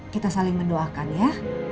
kita saling mendoakan ya